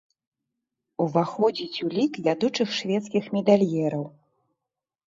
Уваходзіць у лік вядучых шведскіх медальераў.